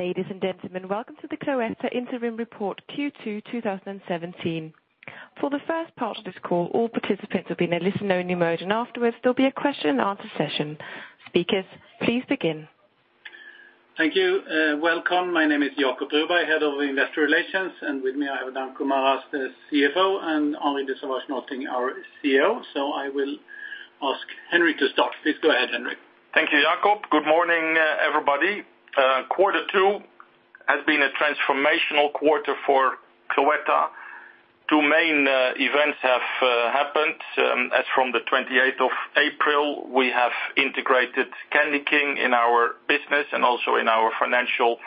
Ladies and gentlemen, welcome to the Cloetta Interim Report Q2 2017. For the first part of this call, all participants will be in a listen-only mode, and afterwards there'll be a question-and-answer session. Speakers, please begin. Thank you. Welcome. My name is Jacob Broberg, head of Investor Relations, and with me I have Danko Maras, the CFO, and Henri de Sauvage Nolting, our CEO. So I will ask Henri to start. Please go ahead, Henri. Thank you, Jacob. Good morning, everybody. Quarter two has been a transformational quarter for Cloetta. Two main events have happened. As from the 28th of April, we have integrated CandyKing in our business and also in our financial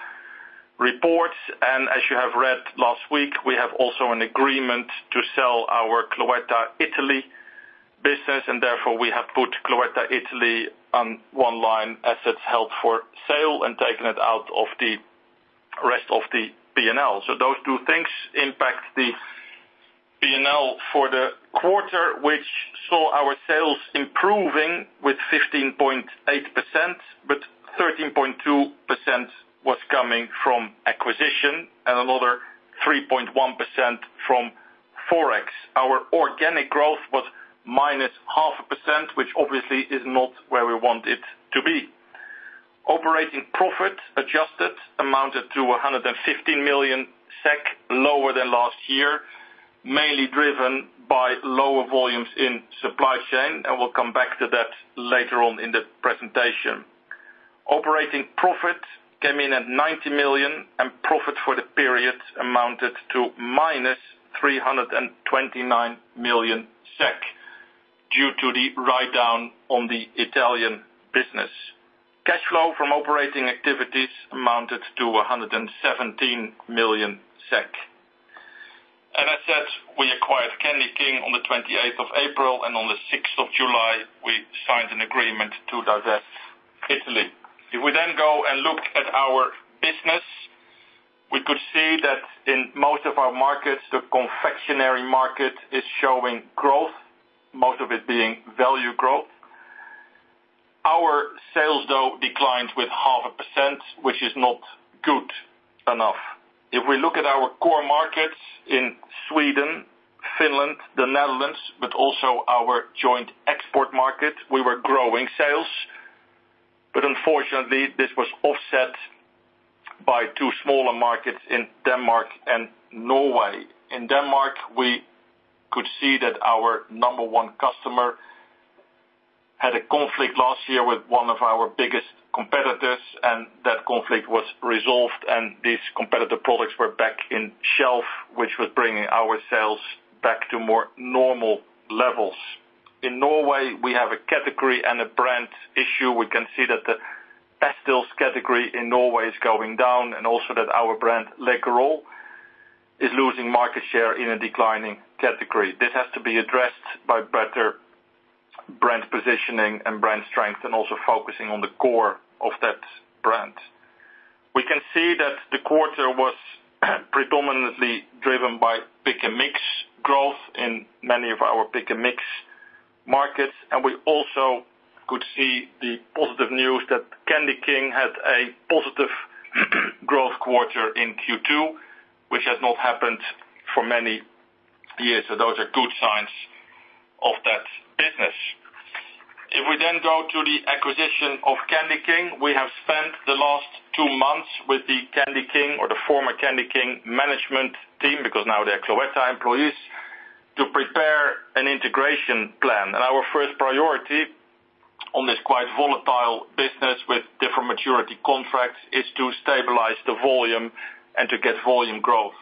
reports. And as you have read last week, we have also an agreement to sell our Cloetta Italy business, and therefore we have put Cloetta Italy on one line as an asset held-for-sale and taken it out of the rest of the P&L. So those two things impact the P&L for the quarter, which saw our sales improving with 15.8%, but 13.2% was coming from acquisition and another 3.1% from forex. Our organic growth was -0.5%, which obviously is not where we want it to be. Operating profit adjusted amounted to 115 million SEK, lower than last year, mainly driven by lower volumes in supply chain, and we'll come back to that later on in the presentation. Operating profit came in at 90 million, and profit for the period amounted to -329 million SEK due to the write-down on the Italian business. Cash flow from operating activities amounted to 117 million SEK. As said, we acquired CandyKing on the 28th of April, and on the 6th of July we signed an agreement to divest Italy. If we then go and look at our business, we could see that in most of our markets the confectionery market is showing growth, most of it being value growth. Our sales, though, declined with 0.5%, which is not good enough. If we look at our core markets in Sweden, Finland, the Netherlands, but also our joint export market, we were growing sales, but unfortunately this was offset by two smaller markets in Denmark and Norway. In Denmark we could see that our number one customer had a conflict last year with one of our biggest competitors, and that conflict was resolved, and these competitor products were back in shelf, which was bringing our sales back to more normal levels. In Norway we have a category and a brand issue. We can see that the pastilles category in Norway is going down, and also that our brand Läkerol is losing market share in a declining category. This has to be addressed by better brand positioning and brand strength, and also focusing on the core of that brand. We can see that the quarter was predominantly driven by pick-and-mix growth in many of our pick-and-mix markets, and we also could see the positive news that CandyKing had a positive growth quarter in Q2, which has not happened for many years. So those are good signs of that business. If we then go to the acquisition of CandyKing, we have spent the last two months with the CandyKing or the former CandyKing management team, because now they're Cloetta employees, to prepare an integration plan. And our first priority on this quite volatile business with different maturity contracts is to stabilize the volume and to get volume growth.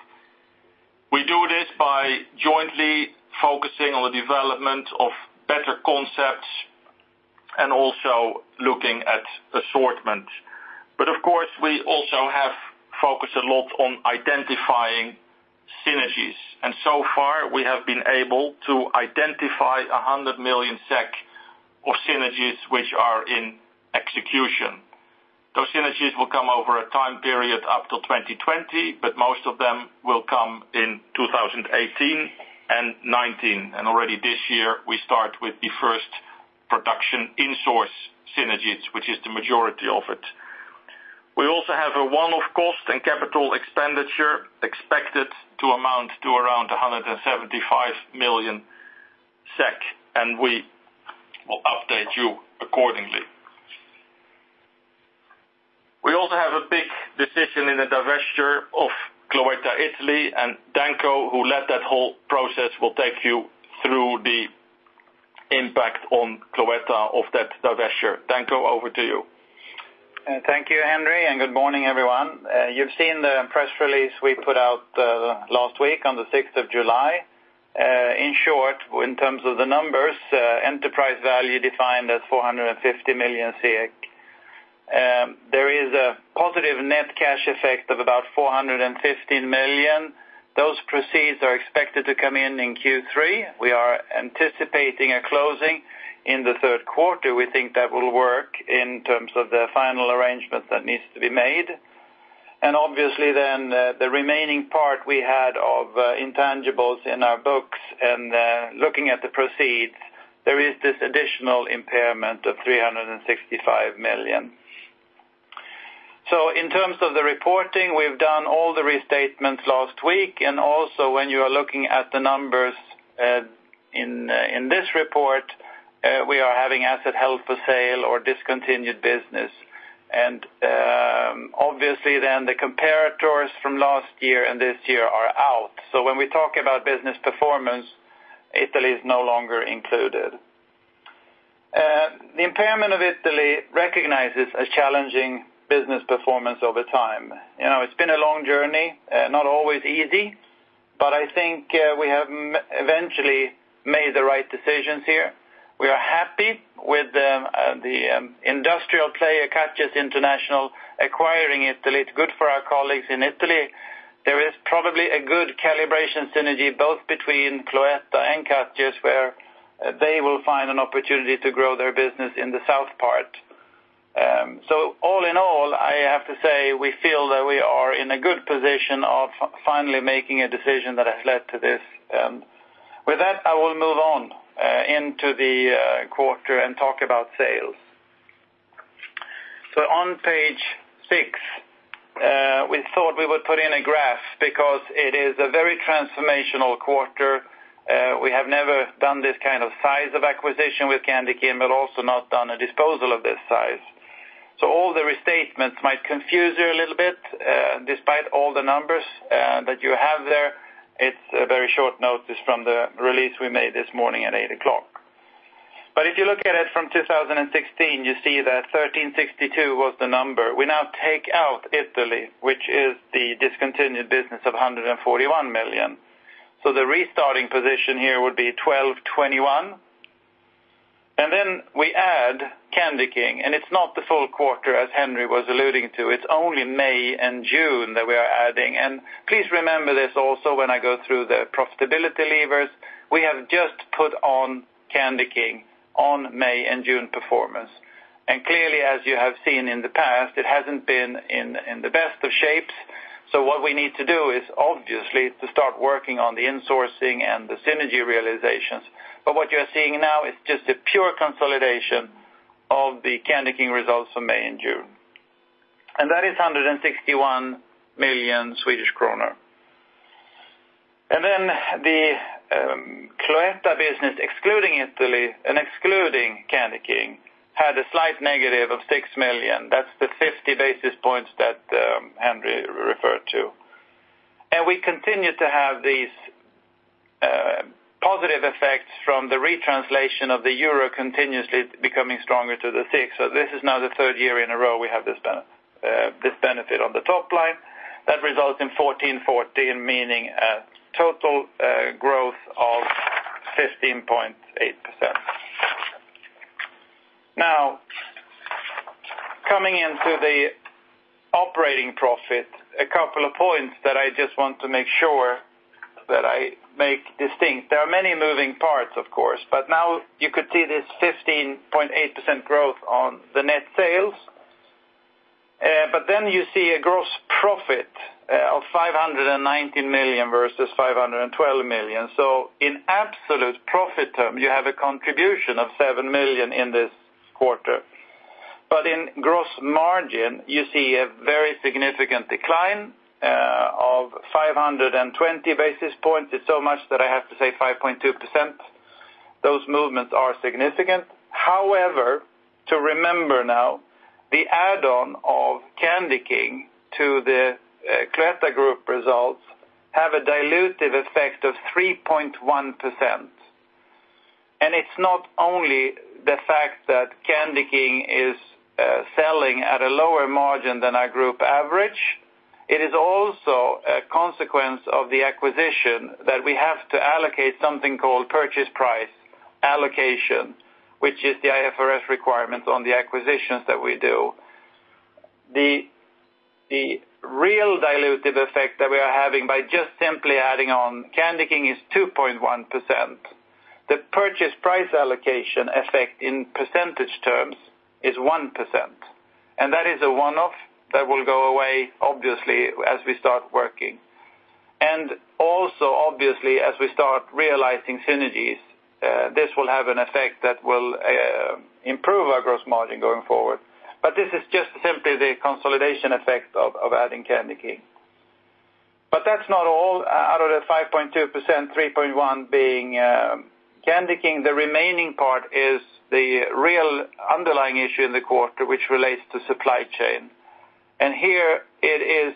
We do this by jointly focusing on the development of better concepts and also looking at assortment. Of course we also have focused a lot on identifying synergies, and so far we have been able to identify 100 million SEK of synergies which are in execution. Those synergies will come over a time period up to 2020, but most of them will come in 2018 and 2019. And already this year we start with the first production in-source synergies, which is the majority of it. We also have a one-off cost and capital expenditure expected to amount to around 175 million SEK, and we will update you accordingly. We also have a big decision in the divestiture of Cloetta Italy, and Danko, who led that whole process, will take you through the impact on Cloetta of that divestiture. Danko, over to you. Thank you, Henri, and good morning, everyone. You've seen the press release we put out last week on the 6th of July. In short, in terms of the numbers, enterprise value defined as 450 million SEK. There is a positive net cash effect of about 415 million. Those proceeds are expected to come in in Q3. We are anticipating a closing in the third quarter. We think that will work in terms of the final arrangement that needs to be made. And obviously then, the remaining part we had of intangibles in our books and, looking at the proceeds, there is this additional impairment of 365 million. So in terms of the reporting, we've done all the restatements last week, and also when you are looking at the numbers in this report, we are having asset held-for-sale or discontinued business. Obviously then the comparators from last year and this year are out. So when we talk about business performance, Italy is no longer included. The impairment of Italy recognizes a challenging business performance over time. You know, it's been a long journey, not always easy, but I think we have eventually made the right decisions here. We are happy with the industrial player, Katjes International, acquiring Italy. It's good for our colleagues in Italy. There is probably a good calibration synergy both between Cloetta and Katjes where they will find an opportunity to grow their business in the south part. So all in all, I have to say we feel that we are in a good position of finally making a decision that has led to this. With that, I will move on into the quarter and talk about sales. So on page six, we thought we would put in a graph because it is a very transformational quarter. We have never done this kind of size of acquisition with CandyKing, but also not done a disposal of this size. So all the restatements might confuse you a little bit, despite all the numbers that you have there. It's a very short note; this is from the release we made this morning at 8:00 A.M. But if you look at it from 2016, you see that 1,362 million was the number. We now take out Italy, which is the discontinued business of 141 million. So the restated position here would be 1,221 million, and then we add CandyKing. And it's not the full quarter, as Henri was alluding to. It's only May and June that we are adding. And please remember this also when I go through the profitability levers. We have just put on CandyKing on May and June performance. And clearly, as you have seen in the past, it hasn't been in the best of shapes. So what we need to do is obviously to start working on the in-sourcing and the synergy realizations. But what you are seeing now is just a pure consolidation of the CandyKing results from May and June. And that is 161 million Swedish kronor. And then the Cloetta business excluding Italy and excluding CandyKing had a slight negative of 6 million. That's the 50 basis points that Henri referred to. And we continue to have these positive effects from the retranslation of the euro continuously becoming stronger to the SEK. So this is now the third year in a row we have this benefit on the top line. That results in 1,414, meaning total growth of 15.8%. Now, coming into the operating profit, a couple of points that I just want to make sure that I make distinct. There are many moving parts, of course, but now you could see this 15.8% growth on the net sales. But then you see a gross profit of 519 million versus 512 million. So in absolute profit terms, you have a contribution of 7 million in this quarter. But in gross margin, you see a very significant decline of 520 basis points. It's so much that I have to say 5.2%. Those movements are significant. However, to remember now, the add-on of CandyKing to the Cloetta Group results have a dilutive effect of 3.1%. And it's not only the fact that CandyKing is selling at a lower margin than our group average. It is also a consequence of the acquisition that we have to allocate something called purchase price allocation, which is the IFRS requirements on the acquisitions that we do. The real dilutive effect that we are having by just simply adding on CandyKing is 2.1%. The purchase price allocation effect in percentage terms is 1%. And that is a one-off that will go away, obviously, as we start working. And also, obviously, as we start realizing synergies, this will have an effect that will improve our gross margin going forward. But this is just simply the consolidation effect of adding CandyKing. But that's not all. Out of the 5.2%, 3.1% being CandyKing, the remaining part is the real underlying issue in the quarter, which relates to supply chain. Here it is,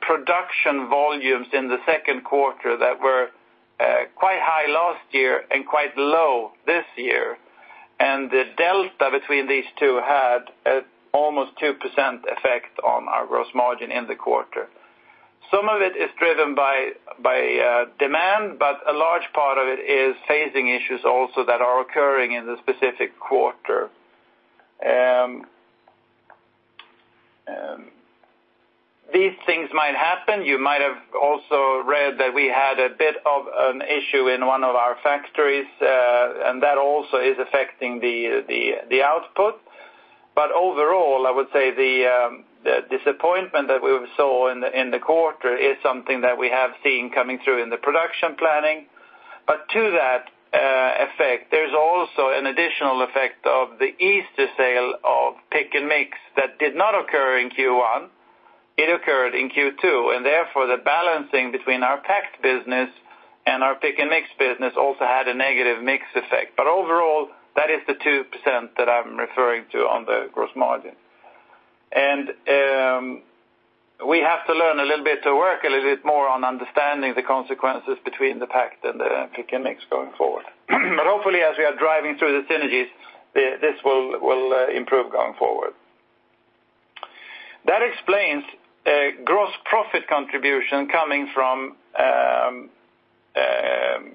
production volumes in the second quarter that were quite high last year and quite low this year. The delta between these two had a almost 2% effect on our gross margin in the quarter. Some of it is driven by demand, but a large part of it is phasing issues also that are occurring in the specific quarter. These things might happen. You might have also read that we had a bit of an issue in one of our factories, and that also is affecting the output. But overall, I would say the disappointment that we saw in the quarter is something that we have seen coming through in the production planning. But to that effect, there's also an additional effect of the Easter sale of pick-and-mix that did not occur in Q1. It occurred in Q2, and therefore the balancing between our packed business and our pick-and-mix business also had a negative mix effect. But overall, that is the 2% that I'm referring to on the gross margin. We have to learn a little bit to work a little bit more on understanding the consequences between the packed and the pick-and-mix going forward. But hopefully, as we are driving through the synergies, this will improve going forward. That explains the gross profit contribution coming from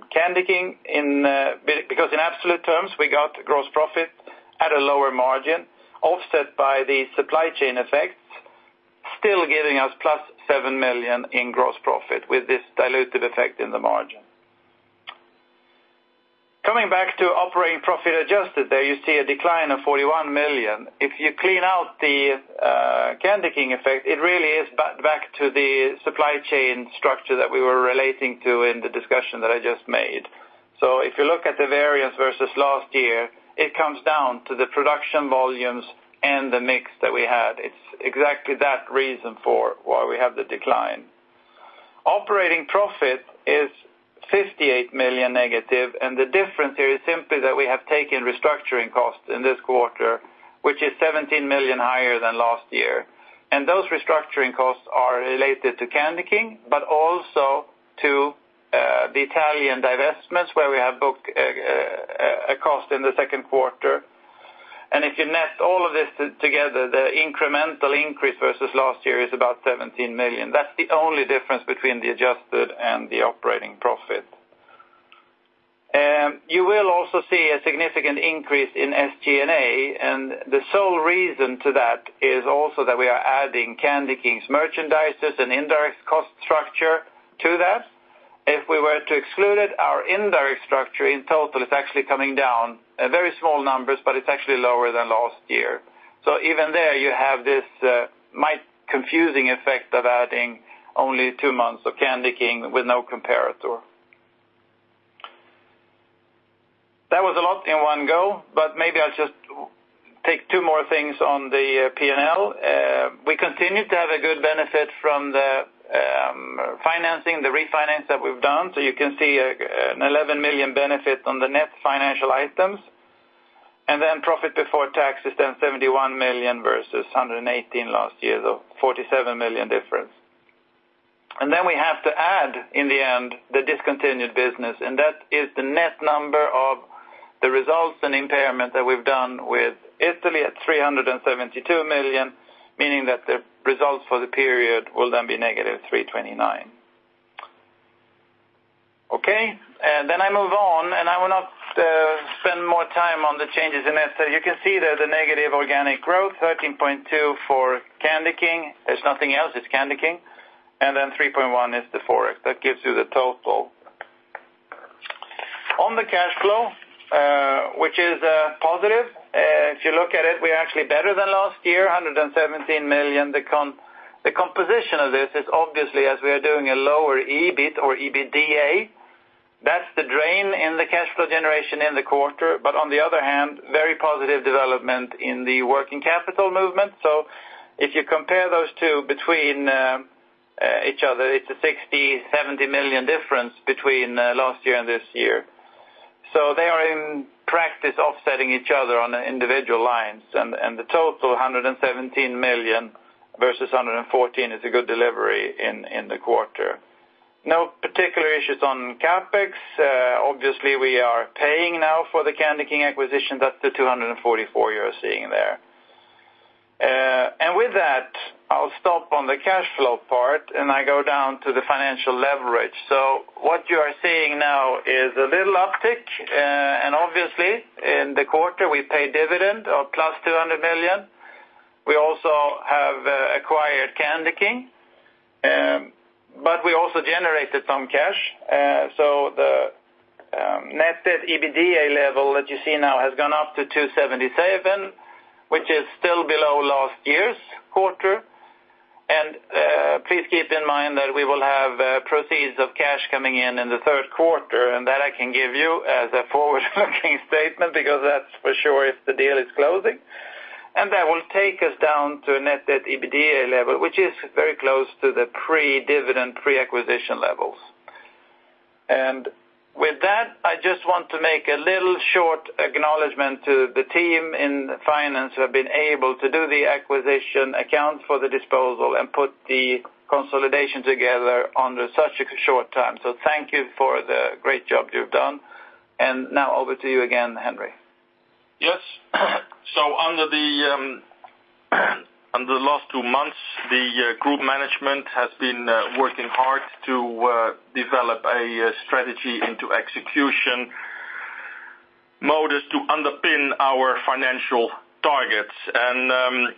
CandyKing, because in absolute terms we got gross profit at a lower margin, offset by the supply chain effects, still giving us +7 million in gross profit with this dilutive effect in the margin. Coming back to operating profit adjusted there, you see a decline of 41 million. If you clean out the CandyKing effect, it really is back to the supply chain structure that we were relating to in the discussion that I just made. So if you look at the variance versus last year, it comes down to the production volumes and the mix that we had. It's exactly that reason for why we have the decline. Operating profit is -58 million, and the difference here is simply that we have taken restructuring costs in this quarter, which is 17 million higher than last year. And those restructuring costs are related to CandyKing, but also to the Italian divestments where we have booked a cost in the second quarter. And if you net all of this together, the incremental increase versus last year is about 17 million. That's the only difference between the adjusted and the operating profit. You will also see a significant increase in SG&A, and the sole reason to that is also that we are adding CandyKing's merchandise and indirect cost structure to that. If we were to exclude it, our indirect structure in total is actually coming down. Very small numbers, but it's actually lower than last year. So even there you have this might-confusing effect of adding only two months of CandyKing with no comparator. That was a lot in one go, but maybe I'll just take two more things on the P&L. We continue to have a good benefit from the financing, the refinance that we've done. So you can see an 11 million benefit on the net financial items. And then profit before tax is then 71 million versus 118 million last year, so 47 million difference. Then we have to add, in the end, the discontinued business, and that is the net number of the results and impairment that we've done with Italy at 372 million, meaning that the results for the period will then be negative 329 million. Okay? Then I move on, and I will not spend more time on the changes in that side. You can see there the negative organic growth -13.2% for CandyKing. There's nothing else. It's CandyKing. Then 3.1% is the Forex. That gives you the total. On the cash flow, which is positive, if you look at it, we are actually better than last year, 117 million. The composition of this is obviously, as we are doing a lower EBIT or EBITDA. That's the drain in the cash flow generation in the quarter. On the other hand, very positive development in the working capital movement. So if you compare those two between each other, it's a 60-70 million difference between last year and this year. So they are in practice offsetting each other on individual lines. And the total 117 million versus 114 million is a good delivery in the quarter. No particular issues on CapEx. Obviously we are paying now for the CandyKing acquisition. That's the 244 million you are seeing there. And with that, I'll stop on the cash flow part and I go down to the financial leverage. So what you are seeing now is a little uptick, and obviously in the quarter we pay dividend of +200 million. We also have acquired CandyKing. But we also generated some cash. The net debt/EBITDA level that you see now has gone up to 277, which is still below last year's quarter. And please keep in mind that we will have proceeds of cash coming in in the third quarter, and that I can give you as a forward-looking statement because that's for sure if the deal is closing. And that will take us down to a net debt/EBITDA level, which is very close to the pre-dividend, pre-acquisition levels. And with that, I just want to make a little short acknowledgment to the team in finance who have been able to do the acquisition, account for the disposal, and put the consolidation together under such a short time. So thank you for the great job you've done. And now over to you again, Henri. Yes. So under the last two months, the group management has been working hard to develop a strategy into execution modus to underpin our financial targets. And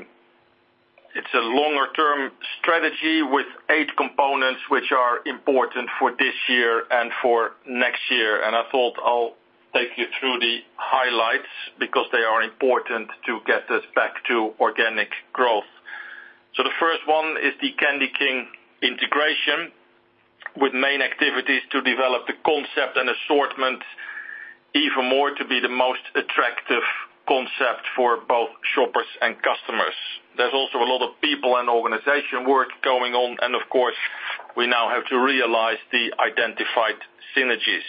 it's a longer-term strategy with eight components which are important for this year and for next year. And I thought I'll take you through the highlights because they are important to get us back to organic growth. So the first one is the CandyKing integration with main activities to develop the concept and assortment even more to be the most attractive concept for both shoppers and customers. There's also a lot of people and organization work going on, and of course we now have to realize the identified synergies.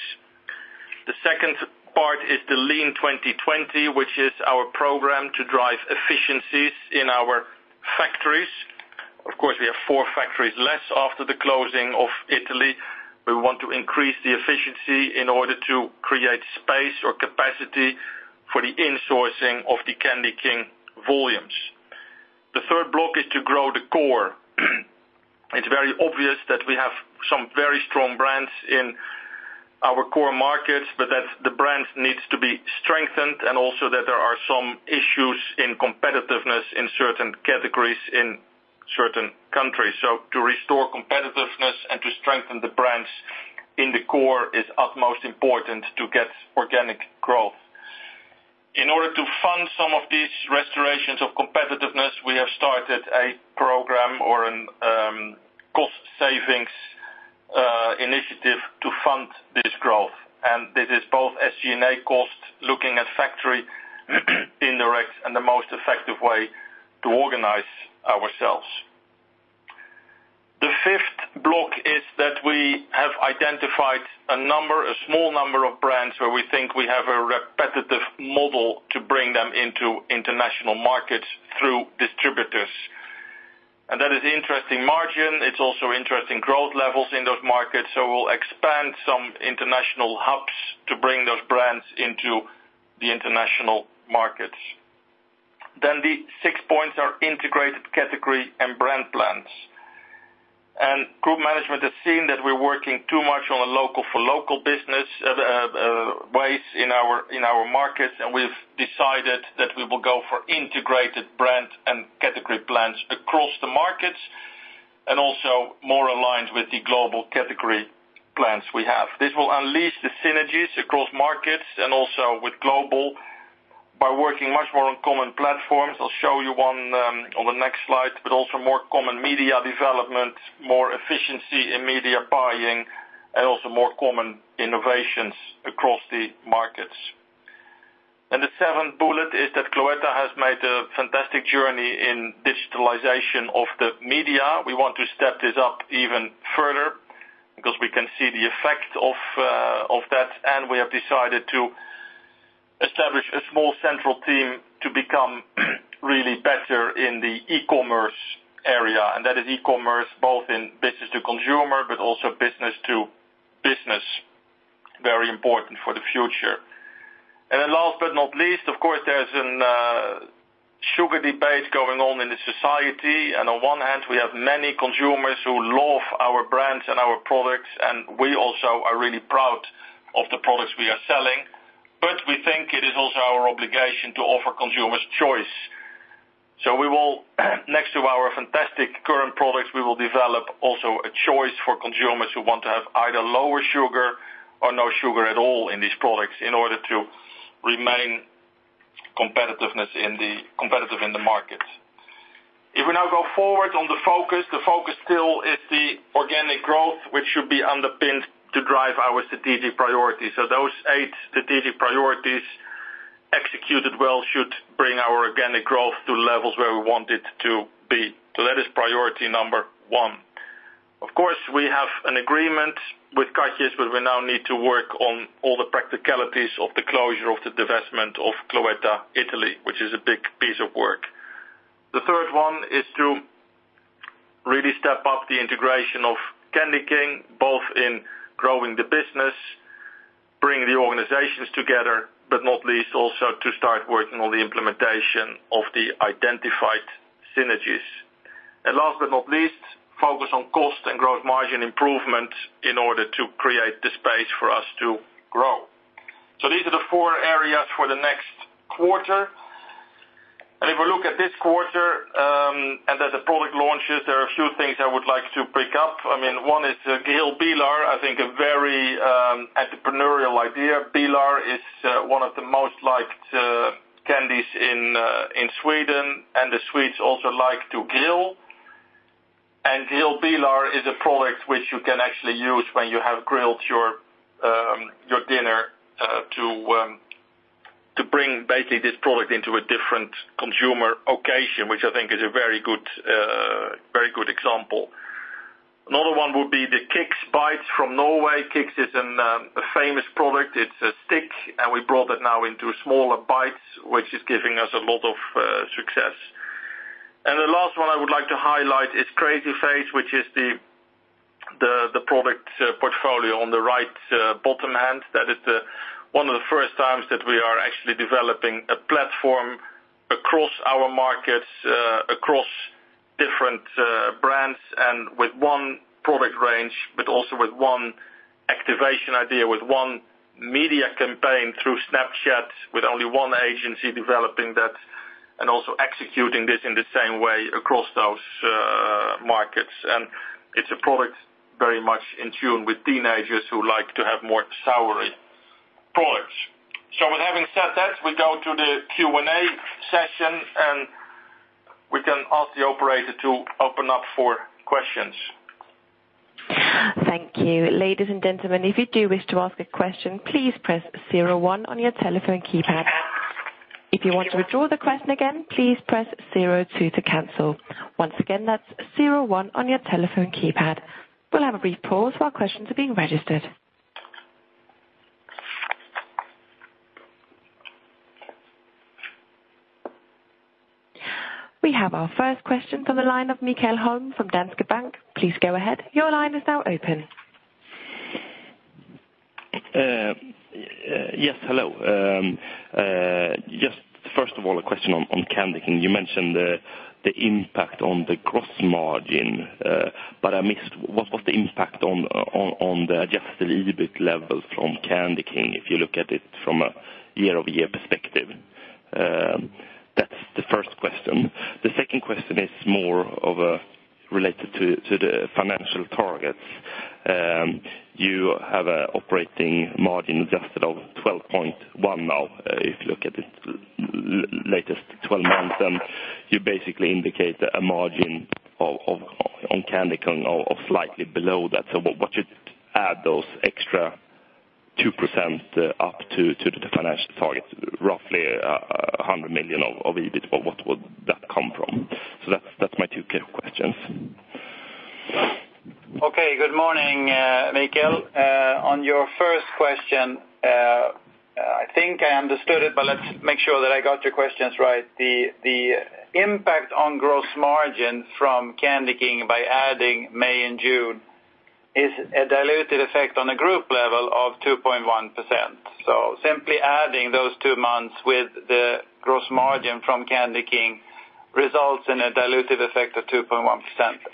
The second part is the Lean 2020, which is our program to drive efficiencies in our factories. Of course, we have four factories less after the closing of Italy. We want to increase the efficiency in order to create space or capacity for the in-sourcing of the CandyKing volumes. The third block is to grow the core. It's very obvious that we have some very strong brands in our core markets, but that the brands need to be strengthened and also that there are some issues in competitiveness in certain categories in certain countries. So to restore competitiveness and to strengthen the brands in the core is utmost important to get organic growth. In order to fund some of these restorations of competitiveness, we have started a program or cost savings initiative to fund this growth. And this is both SG&A cost, looking at factory indirects, and the most effective way to organize ourselves. The fifth block is that we have identified a number, a small number of brands where we think we have a repetitive model to bring them into international markets through distributors. And that is interesting margin. It's also interesting growth levels in those markets. So we'll expand some international hubs to bring those brands into the international markets. Then the six points are integrated category and brand plans. And group management has seen that we're working too much on a local-for-local business, ways in our markets, and we've decided that we will go for integrated brand and category plans across the markets and also more aligned with the global category plans we have. This will unleash the synergies across markets and also with global by working much more on common platforms. I'll show you one on the next slide, but also more common media development, more efficiency in media buying, and also more common innovations across the markets. The seventh bullet is that Cloetta has made a fantastic journey in digitalization of the media. We want to step this up even further because we can see the effect of that, and we have decided to establish a small central team to become really better in the e-commerce area. That is e-commerce both in business to consumer but also business to business, very important for the future. Then last but not least, of course, there's a sugar debate going on in the society. On one hand, we have many consumers who love our brands and our products, and we also are really proud of the products we are selling. We think it is also our obligation to offer consumers choice. So we will, next to our fantastic current products, we will develop also a choice for consumers who want to have either lower sugar or no sugar at all in these products in order to remain competitiveness in the competitive in the markets. If we now go forward on the focus, the focus still is the organic growth, which should be underpinned to drive our strategic priorities. So those eight strategic priorities, executed well, should bring our organic growth to levels where we want it to be. So that is priority number one. Of course, we have an agreement with Katjes, but we now need to work on all the practicalities of the closure of the divestment of Cloetta Italy, which is a big piece of work. The third one is to really step up the integration of CandyKing, both in growing the business, bringing the organizations together, but not least also to start working on the implementation of the identified synergies. And last but not least, focus on cost and gross margin improvement in order to create the space for us to grow. So these are the four areas for the next quarter. And if we look at this quarter, and as the product launches, there are a few things I would like to pick up. I mean, one is, Grillbilar, I think a very, entrepreneurial idea. Bilar is, one of the most liked, candies in, in Sweden, and the Swedes also like to grill. Grillbilar is a product which you can actually use when you have grilled your dinner to bring basically this product into a different consumer occasion, which I think is a very good example. Another one would be the Kick Bites from Norway. Kick is a famous product. It's a stick, and we brought it now into smaller bites, which is giving us a lot of success. The last one I would like to highlight is Crazy Face, which is the product portfolio on the right, bottom hand. That is one of the first times that we are actually developing a platform across our markets, across different brands and with one product range, but also with one activation idea, with one media campaign through Snapchat with only one agency developing that and also executing this in the same way across those markets. And it's a product very much in tune with teenagers who like to have more soury products. So with having said that, we go to the Q&A session, and we can ask the operator to open up for questions. Thank you. Ladies and gentlemen, if you do wish to ask a question, please press zero one on your telephone keypad. If you want to withdraw the question again, please press zero two to cancel. Once again, that's zero one on your telephone keypad. We'll have a brief pause while questions are being registered. We have our first question from the line of Mikael Holm from Danske Bank. Please go ahead. Your line is now open. Yes. Hello. Just first of all, a question on, on CandyKing. You mentioned the, the impact on the gross margin, but I missed what was the impact on, on, on the adjusted EBIT level from CandyKing if you look at it from a year-over-year perspective. That's the first question. The second question is more of a related to, to the financial targets. You have a operating margin adjusted of 12.1% now, if you look at it latest 12 months. And you basically indicate a margin of, of on CandyKing of, of slightly below that. So what should add those extra 2% up to, to the financial targets, roughly 100 million of, of EBIT? What, what would that come from? So that's, that's my two questions. Okay. Good morning, Mikael. On your first question, I think I understood it, but let's make sure that I got your questions right. The impact on gross margin from CandyKing by adding May and June is a diluted effect on a group level of 2.1%. So simply adding those two months with the gross margin from CandyKing results in a diluted effect of 2.1%.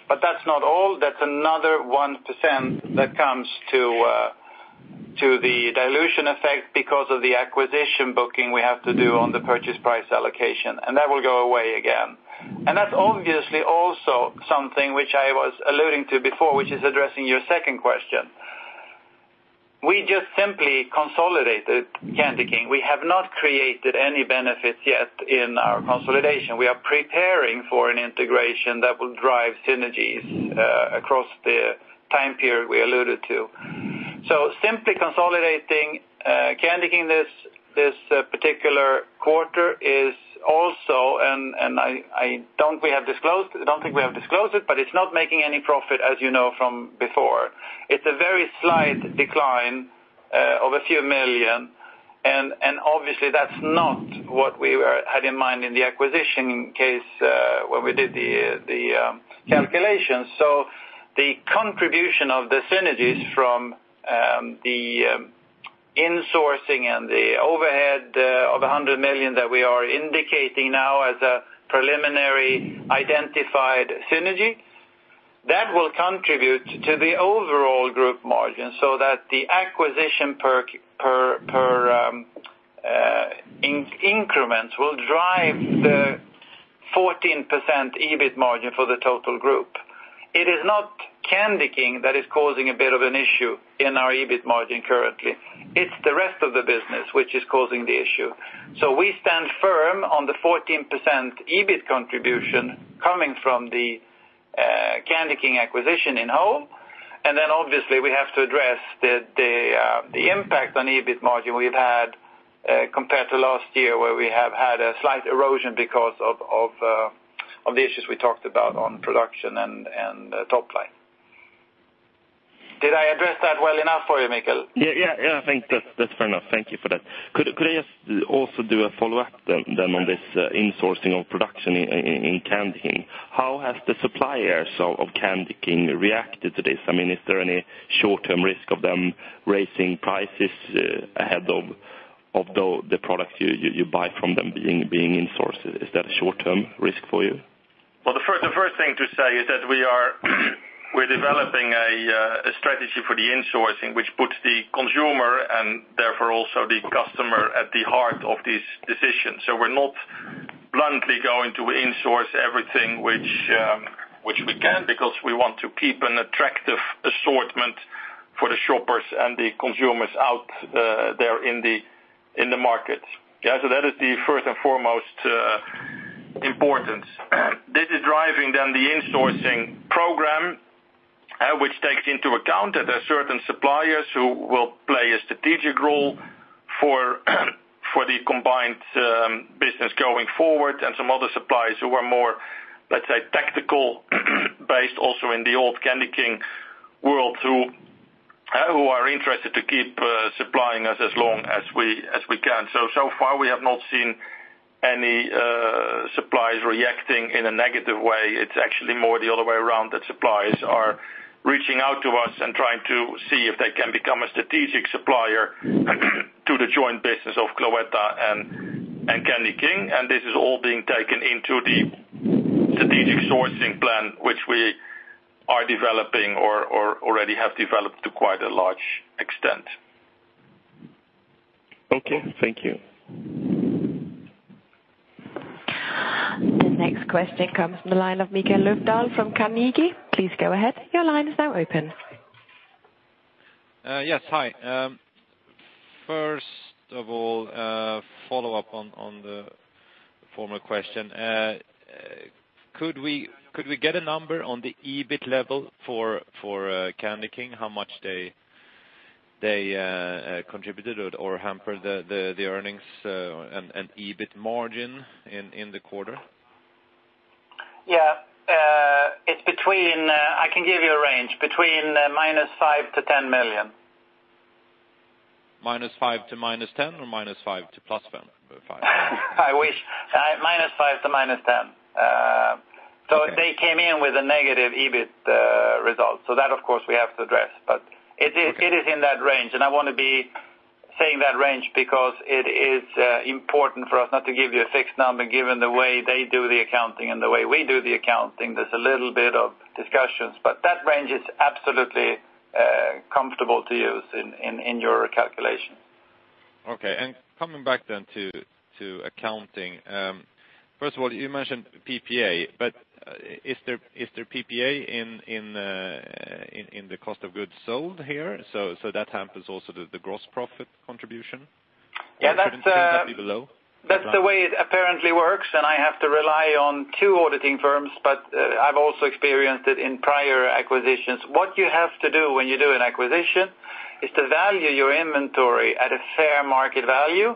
But that's not all. That's another 1% that comes to the dilution effect because of the acquisition booking we have to do on the purchase price allocation. And that will go away again. And that's obviously also something which I was alluding to before, which is addressing your second question. We just simply consolidated CandyKing. We have not created any benefits yet in our consolidation. We are preparing for an integration that will drive synergies, across the time period we alluded to. So simply consolidating CandyKing, this particular quarter is also and I don't think we have disclosed it, but it's not making any profit, as you know, from before. It's a very slight decline, of a few million SEK. And obviously, that's not what we had in mind in the acquisition case, when we did the calculations. So the contribution of the synergies from in-sourcing and the overhead of 100 million that we are indicating now as a preliminary identified synergy, that will contribute to the overall group margin so that the acquisition increments will drive the 14% EBIT margin for the total group. It is not CandyKing that is causing a bit of an issue in our EBIT margin currently. It's the rest of the business which is causing the issue. So we stand firm on the 14% EBIT contribution coming from the CandyKing acquisition in whole. And then obviously, we have to address the impact on EBIT margin we've had, compared to last year where we have had a slight erosion because of the issues we talked about on production and top line. Did I address that well enough for you, Mikael? Yeah. Yeah. Yeah. I think that's fair enough. Thank you for that. Could I just also do a follow-up then on this in-sourcing of production in CandyKing? How has the suppliers of CandyKing reacted to this? I mean, is there any short-term risk of them raising prices ahead of the products you buy from them being in-sourced? Is that a short-term risk for you? Well, the first thing to say is that we are we're developing a strategy for the in-sourcing which puts the consumer and therefore also the customer at the heart of these decisions. So we're not bluntly going to in-source everything which we can because we want to keep an attractive assortment for the shoppers and the consumers out there in the markets. Yeah. So that is the first and foremost importance. This is driving then the in-sourcing program, which takes into account that there are certain suppliers who will play a strategic role for the combined business going forward and some other suppliers who are more, let's say, tactical-based also in the old CandyKing world who are interested to keep supplying us as long as we can. So far, we have not seen any suppliers reacting in a negative way. It's actually more the other way around that suppliers are reaching out to us and trying to see if they can become a strategic supplier to the joint business of Cloetta and CandyKing. And this is all being taken into the strategic sourcing plan which we are developing or already have developed to quite a large extent. Okay. Thank you. The next question comes from the line of Mikael Löfdahl from Carnegie. Please go ahead. Your line is now open. Yes. Hi. First of all, follow-up on the former question. Could we get a number on the EBIT level for CandyKing, how much they contributed or hampered the earnings and EBIT margin in the quarter? Yeah. It's between. I can give you a range, between -5 million to 10 million. -5 million to -10 million or -5 million to +10 million, 5? I wish. -5 million to -10 million. So they came in with a negative EBIT result. So that, of course, we have to address. But it is in that range. And I want to say that range because it is important for us not to give you a fixed number given the way they do the accounting and the way we do the accounting. There's a little bit of discussions. But that range is absolutely comfortable to use in your calculation. Okay. And coming back then to accounting, first of all, you mentioned PPA. But is there PPA in the cost of goods sold here? So that hampers also the gross profit contribution? Yeah. That's the way it apparently works. And I have to rely on two auditing firms. But I've also experienced it in prior acquisitions. What you have to do when you do an acquisition is to value your inventory at a fair market value.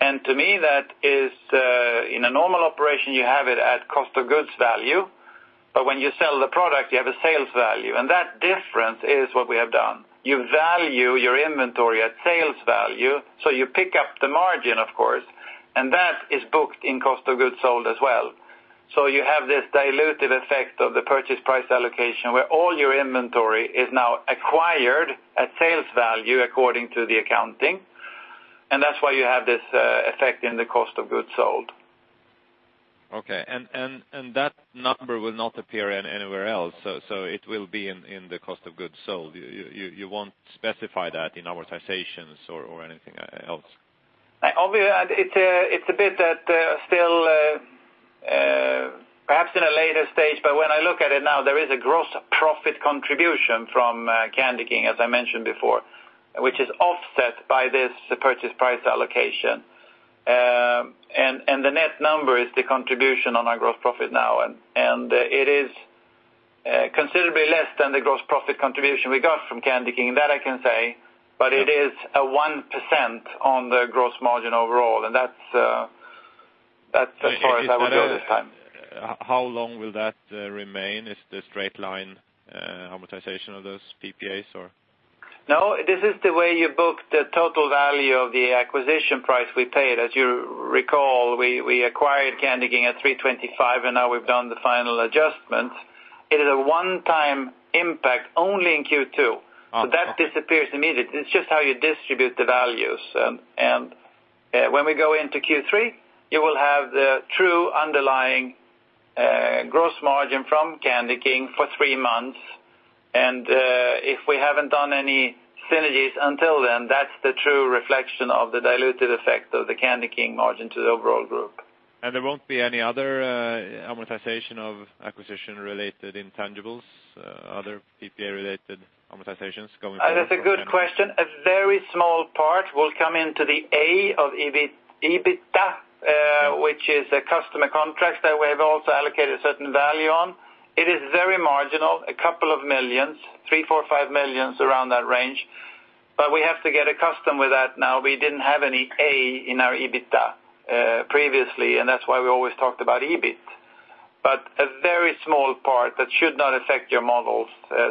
And to me, that is, in a normal operation, you have it at cost of goods value. But when you sell the product, you have a sales value. And that difference is what we have done. You value your inventory at sales value. So you pick up the margin, of course. And that is booked in cost of goods sold as well. So you have this diluted effect of the purchase price allocation where all your inventory is now acquired at sales value according to the accounting. And that's why you have this effect in the cost of goods sold. Okay. And that number will not appear anywhere else. So it will be in the cost of goods sold. You won't specify that in amortizations or anything else? Obviously, it's a bit that still, perhaps in a later stage. But when I look at it now, there is a gross profit contribution from CandyKing, as I mentioned before, which is offset by this purchase price allocation. And the net number is the contribution on our gross profit now. It is considerably less than the gross profit contribution we got from CandyKing. That I can say. But it is a 1% on the gross margin overall. And that's as far as I would go this time. How long will that remain? Is the straight line amortization of those PPAs, or? No. This is the way you book the total value of the acquisition price we paid. As you recall, we acquired CandyKing at 325 million. And now we've done the final adjustments. It is a one-time impact only in Q2. So that disappears immediately. It's just how you distribute the values. And when we go into Q3, you will have the true underlying gross margin from CandyKing for three months. If we haven't done any synergies until then, that's the true reflection of the diluted effect of the CandyKing margin to the overall group. There won't be any other amortization of acquisition-related intangibles, other PPA-related amortizations going forward? That's a good question. A very small part will come into the A of EBIT EBITDA, which is a customer contract that we have also allocated a certain value on. It is very marginal, a couple of million SEK, 3 million, 4 million, 5 million, around that range. But we have to get accustomed with that now. We didn't have any A in our EBITDA, previously. That's why we always talked about EBIT. But a very small part that should not affect your models,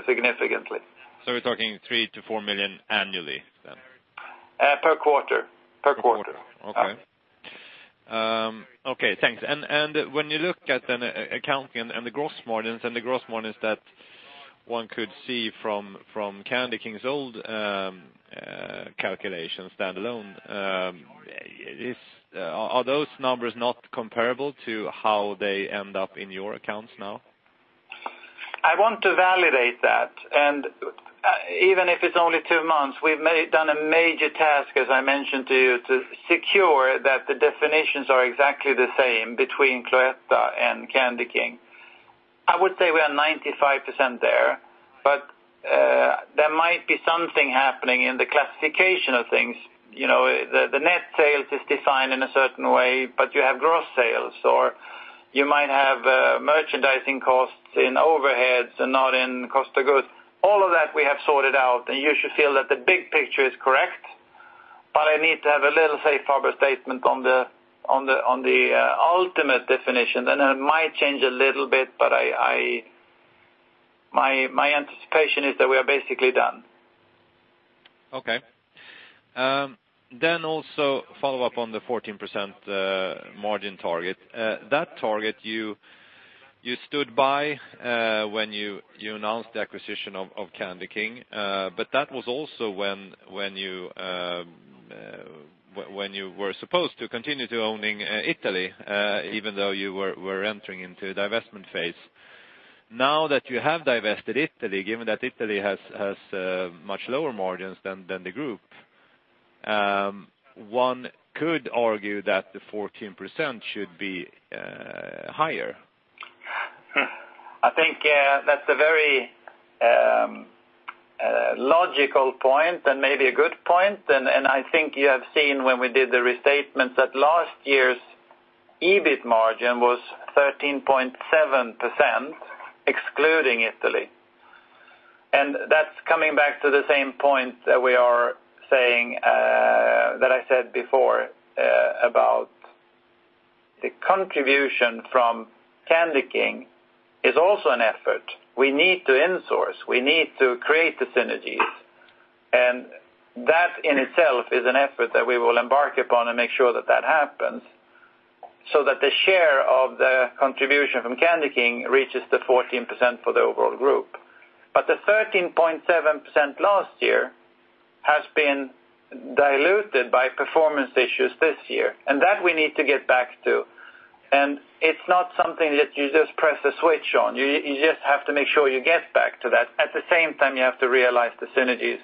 significantly. We're talking 3 million-4 million annually then? Per quarter, per quarter. Okay. Okay. Thanks. When you look at the accounting and the gross margins that one could see from CandyKing's old calculations standalone, are those numbers not comparable to how they end up in your accounts now? I want to validate that. Even if it's only two months, we've done a major task, as I mentioned to you, to secure that the definitions are exactly the same between Cloetta and CandyKing. I would say we are 95% there. But there might be something happening in the classification of things. You know, the net sales is defined in a certain way. But you have gross sales. Or you might have merchandising costs in overheads and not in cost of goods. All of that, we have sorted out. You should feel that the big picture is correct. I need to have a little safe harbor statement on the ultimate definition. It might change a little bit. My anticipation is that we are basically done. Okay. Also follow up on the 14% margin target. That target, you stood by when you announced the acquisition of CandyKing. That was also when you were supposed to continue to owning Italy, even though you were entering into a divestment phase. Now that you have divested Italy, given that Italy has much lower margins than the group, one could argue that the 14% should be higher. I think that's a very logical point and maybe a good point. I think you have seen when we did the restatements that last year's EBIT margin was 13.7% excluding Italy. And that's coming back to the same point that we are saying, that I said before, about the contribution from CandyKing is also an effort. We need to in-source. We need to create the synergies. And that in itself is an effort that we will embark upon and make sure that that happens so that the share of the contribution from CandyKing reaches the 14% for the overall group. But the 13.7% last year has been diluted by performance issues this year. And that we need to get back to. And it's not something that you just press a switch on. You, you just have to make sure you get back to that. At the same time, you have to realize the synergies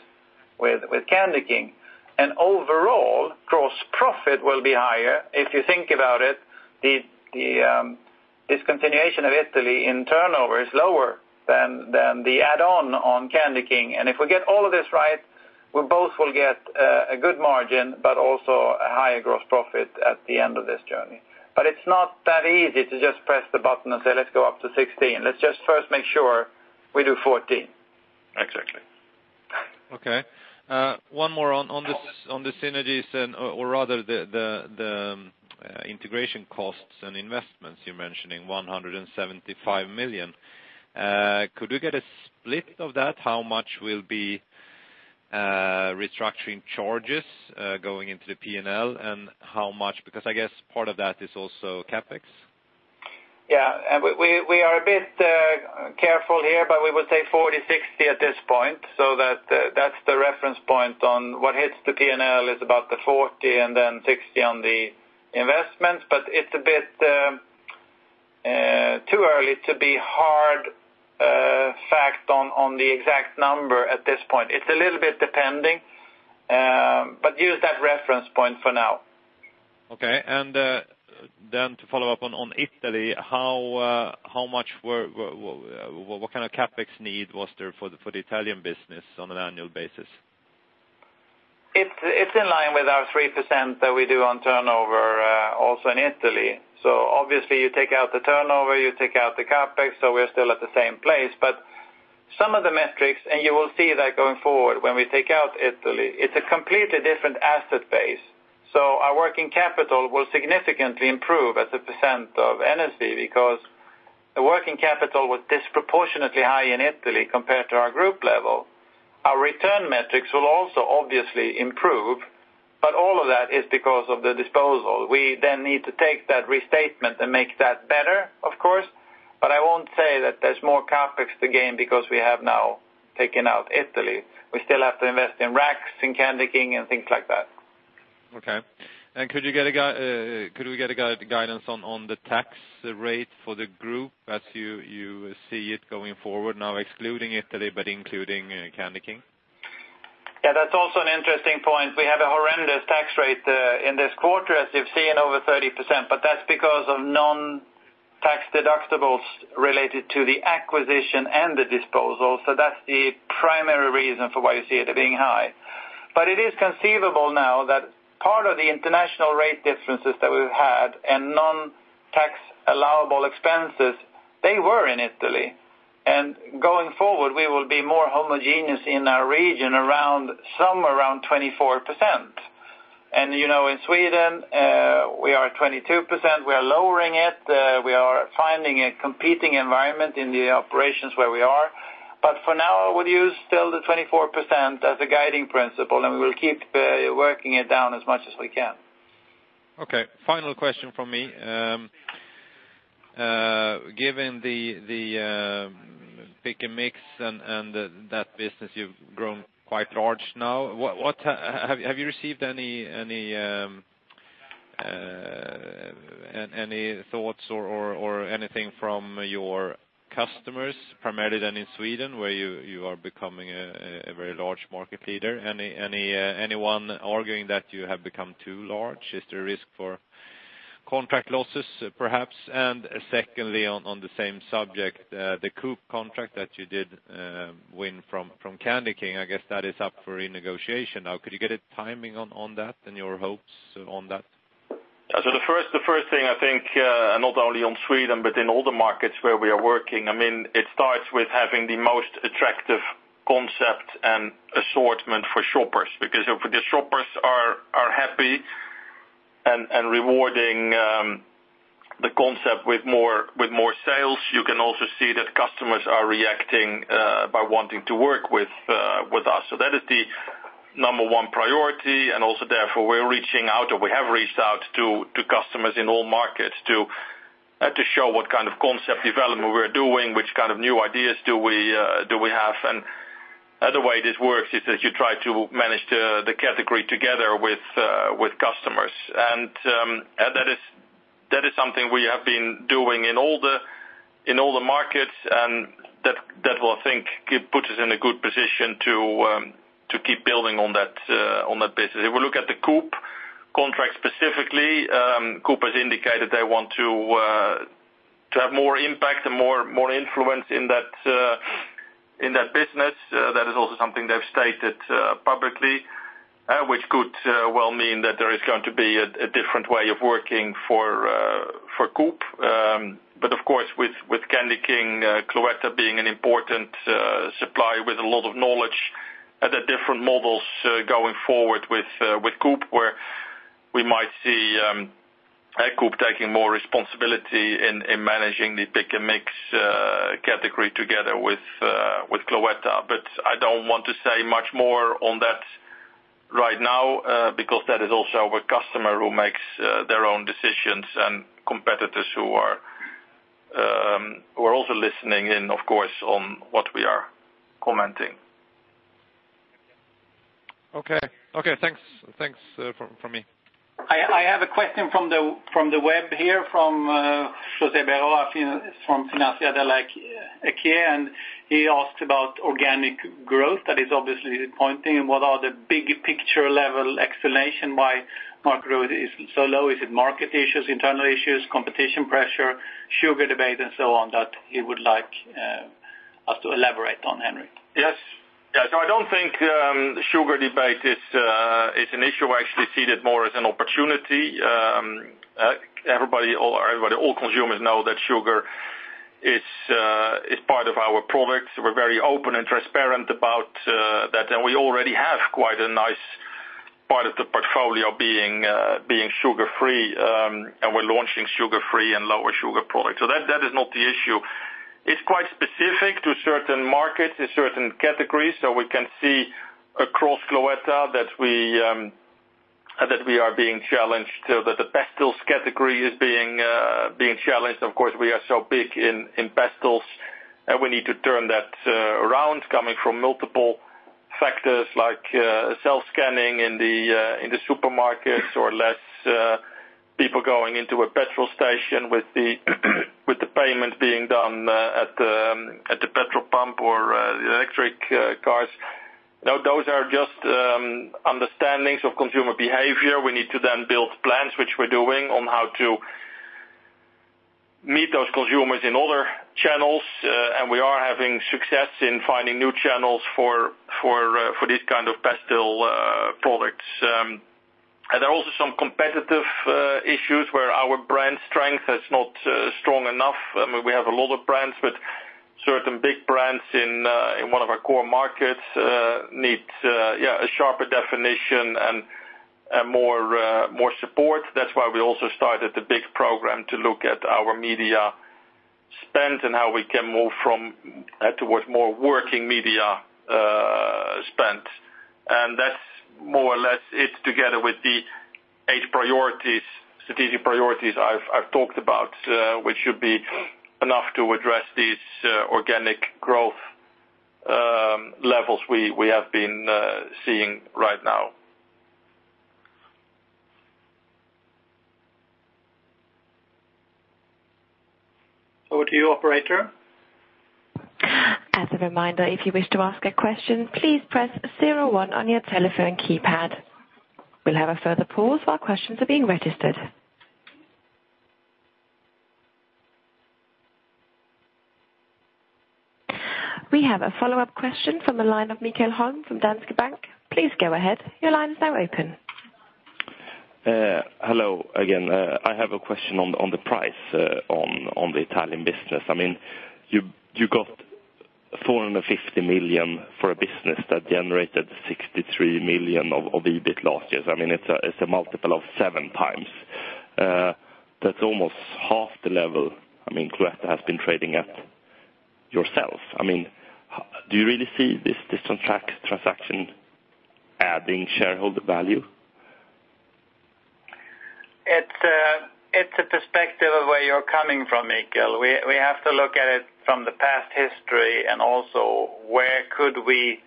with, with CandyKing. And overall, gross profit will be higher if you think about it. The discontinuation of Italy in turnover is lower than the add-on on CandyKing. And if we get all of this right, we both will get a good margin but also a higher gross profit at the end of this journey. But it's not that easy to just press the button and say, "Let's go up to 16. Let's just first make sure we do 14." Exactly. Okay. One more on this on the synergies and, or rather the integration costs and investments you're mentioning, 175 million. Could we get a split of that? How much will be restructuring charges going into the P&L? And how much because I guess part of that is also CapEx? Yeah. And we are a bit careful here. We will say 40/60 at this point so that's the reference point on what hits the P&L is about the 40 and then 60 on the investments. But it's a bit too early to be hard fact on the exact number at this point. It's a little bit depending, but use that reference point for now. Okay. And then to follow up on Italy, how much was what kind of CapEx need there for the Italian business on an annual basis? It's in line with our 3% that we do on turnover, also in Italy. So obviously, you take out the turnover. You take out the CapEx. So we're still at the same place. But some of the metrics and you will see that going forward when we take out Italy, it's a completely different asset base. So our working capital will significantly improve as a percent of NSV because the working capital was disproportionately high in Italy compared to our group level. Our return metrics will also obviously improve. But all of that is because of the disposal. We then need to take that restatement and make that better, of course. But I won't say that there's more CapEx to gain because we have now taken out Italy. We still have to invest in racks in CandyKing and things like that. Okay. And could we get a guidance on the tax rate for the group as you see it going forward now excluding Italy but including CandyKing? Yeah. That's also an interesting point. We have a horrendous tax rate in this quarter as you've seen, over 30%. But that's because of non-tax deductibles related to the acquisition and the disposal. So that's the primary reason for why you see it being high. But it is conceivable now that part of the international rate differences that we've had and non-tax allowable expenses, they were in Italy. And going forward, we will be more homogeneous in our region around somewhere around 24%. And, you know, in Sweden, we are at 22%. We are lowering it. We are finding a competing environment in the operations where we are. But for now, I would use still the 24% as a guiding principle. And we will keep working it down as much as we can. Okay. Final question from me. Given the pick-and-mix and that business you've grown quite large now, what have you received any thoughts or anything from your customers, primarily then in Sweden where you are becoming a very large market leader? Anyone arguing that you have become too large? Is there a risk for contract losses, perhaps? And secondly, on the same subject, the Coop contract that you did win from CandyKing, I guess that is up for renegotiation now. Could you get a timing on that and your hopes on that? The first thing, I think, and not only in Sweden but in all the markets where we are working, I mean, it starts with having the most attractive concept and assortment for shoppers because if the shoppers are happy and rewarding the concept with more sales, you can also see that customers are reacting by wanting to work with us. So that is the number one priority. Also therefore, we're reaching out or we have reached out to customers in all markets to show what kind of concept development we're doing, which kind of new ideas do we have. The way this works is that you try to manage the category together with customers. That is something we have been doing in all the markets. That will, I think, put us in a good position to, to keep building on that, on that business. If we look at the Coop contract specifically, Coop has indicated they want to, to have more impact and more, more influence in that, in that business. That is also something they've stated, publicly, which could, well mean that there is going to be a, a different way of working for, for Coop. But of course, with, with CandyKing, Cloetta being an important, supplier with a lot of knowledge at the different models, going forward with, with Coop where we might see, a Coop taking more responsibility in, in managing the pick-and-mix, category together with, with Cloetta. But I don't want to say much more on that right now, because that is also a customer who makes their own decisions and competitors who are also listening in, of course, on what we are commenting. Okay. Okay. Thanks. Thanks from me. I have a question from the web here from Josep Boria from Fidentiis Equities. And he asks about organic growth that is obviously pointing. And what are the big picture level explanation why market growth is so low? Is it market issues, internal issues, competition pressure, sugar debate, and so on that he would like us to elaborate on, Henri? Yes. Yeah. So I don't think sugar debate is an issue. I actually see it more as an opportunity. Everybody, all consumers know that sugar is part of our product. We're very open and transparent about that. We already have quite a nice part of the portfolio being sugar-free, and we're launching sugar-free and lower sugar products. So that is not the issue. It's quite specific to certain markets and certain categories. So we can see across Cloetta that we are being challenged, that the pastilles category is being challenged. Of course, we are so big in pastilles. And we need to turn that around, coming from multiple factors like self-scanning in the supermarkets or less people going into a petrol station with the payment being done at the petrol pump or the electric cars. You know, those are just understandings of consumer behavior. We need to then build plans, which we're doing, on how to meet those consumers in other channels. We are having success in finding new channels for these kind of pastille products. And there are also some competitive issues where our brand strength is not strong enough. I mean, we have a lot of brands. But certain big brands in one of our core markets need a sharper definition and more support. That's why we also started the big program to look at our media spend and how we can move from towards more working media spend. And that's more or less it together with the eight strategic priorities I've talked about, which should be enough to address these organic growth levels we have been seeing right now. Would you operator? As a reminder, if you wish to ask a question, please press zero one on your telephone keypad. We'll have a further pause while questions are being registered. We have a follow-up question from the line of Mikael Holm from Danske Bank. Please go ahead. Your line is now open. Hello again. I have a question on the price on the Italian business. I mean, you got 450 million for a business that generated 63 million of EBIT last year. So I mean, it's a multiple of 7x. That's almost half the level. I mean, Cloetta has been trading at itself. I mean, do you really see this transaction adding shareholder value? It's a perspective of where you're coming from, Mikael. We have to look at it from the past history and also where could we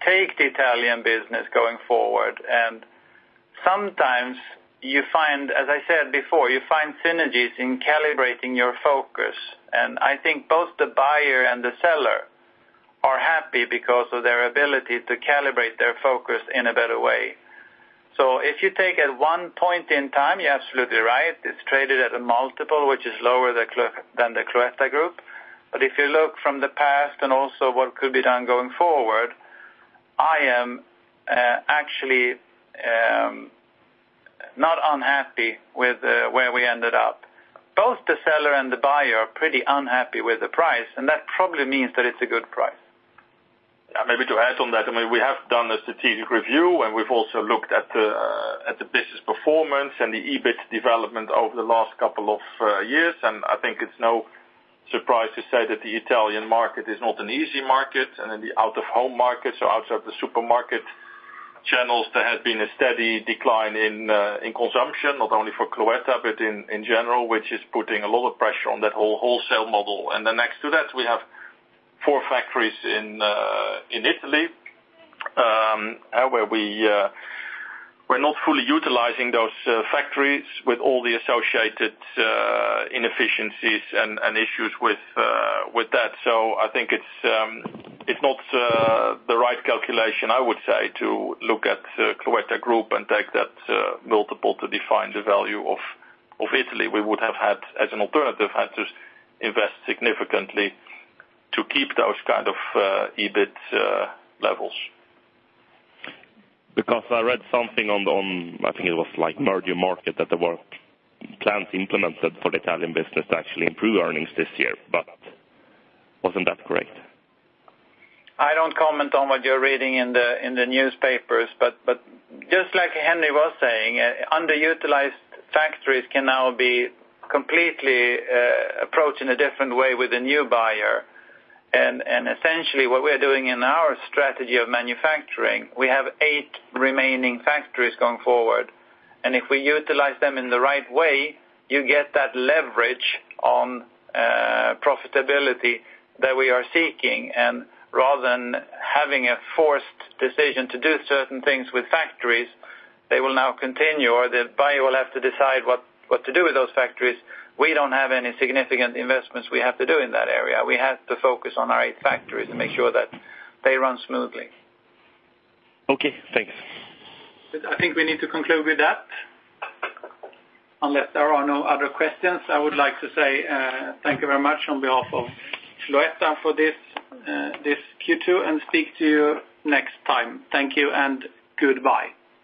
take the Italian business going forward. And sometimes, you find as I said before, you find synergies in calibrating your focus. I think both the buyer and the seller are happy because of their ability to calibrate their focus in a better way. So if you take at one point in time, you're absolutely right. It's traded at a multiple, which is lower than the Cloetta than the Cloetta group. But if you look from the past and also what could be done going forward, I am, actually, not unhappy with, where we ended up. Both the seller and the buyer are pretty unhappy with the price. And that probably means that it's a good price. Yeah. Maybe to add on that, I mean, we have done a strategic review. And we've also looked at the business performance and the EBIT development over the last couple of years. And I think it's no surprise to say that the Italian market is not an easy market. In the out-of-home market, so outside of the supermarket channels, there has been a steady decline in consumption not only for Cloetta but in general, which is putting a lot of pressure on that whole wholesale model. Then next to that, we have four factories in Italy, where we're not fully utilizing those factories with all the associated inefficiencies and issues with that. So I think it's not the right calculation, I would say, to look at Cloetta Group and take that multiple to define the value of Italy. We would have had, as an alternative, to invest significantly to keep those kind of EBIT levels. Because I read something on, I think it was, like, Mergermarket that there were plans implemented for the Italian business to actually improve earnings this year. But wasn't that correct? I don't comment on what you're reading in the newspapers. But just like Henri was saying, underutilized factories can now be completely approached in a different way with a new buyer. And essentially, what we are doing in our strategy of manufacturing, we have eight remaining factories going forward. And if we utilize them in the right way, you get that leverage on profitability that we are seeking. And rather than having a forced decision to do certain things with factories, they will now continue or the buyer will have to decide what to do with those factories. We don't have any significant investments we have to do in that area. We have to focus on our eight factories and make sure that they run smoothly. Okay. Thanks. I think we need to conclude with that unless there are no other questions. I would like to say, thank you very much on behalf of Cloetta for this Q2 and speak to you next time. Thank you. Goodbye.